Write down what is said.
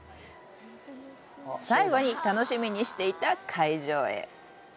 最後に、楽しみにしていた会場へ。